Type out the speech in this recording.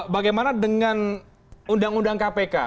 bagaimana dengan undang undang kpk